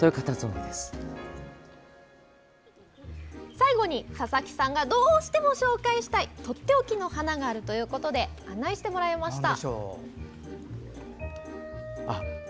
最後に、佐々木さんがどうしても紹介したいとっておきの花があるということで案内してもらいました。